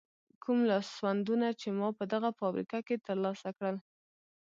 کوم لاسوندونه چې ما په دغه فابریکه کې تر لاسه کړل.